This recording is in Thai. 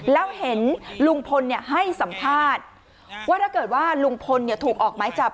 แล้วเห็นลุงพลให้สัมภาษณ์ว่าถ้าเกิดว่าลุงพลถูกออกไม้จับ